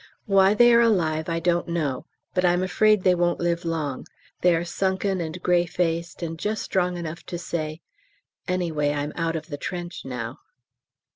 Why they are alive I don't know, but I'm afraid they won't live long: they are sunken and grey faced and just strong enough to say, "Anyway, I'm out of the trench now."